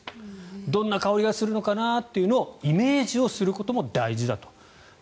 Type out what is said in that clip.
どんな香りがするのかなとイメージすることも大事ですと。